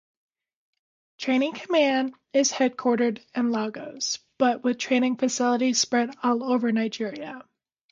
Training command is headquartered in Lagos but with training facilities spread all over Nigeria.